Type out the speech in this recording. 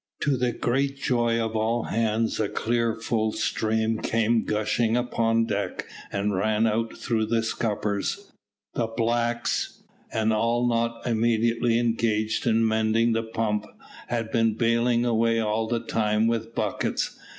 To the great joy of all hands a clear full stream came gushing upon deck, and ran out through the scuppers. The blacks, and all not immediately engaged in mending the pump, had been baling away all the time with buckets.